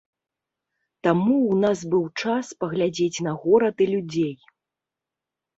Таму ў нас быў час паглядзець на горад і людзей.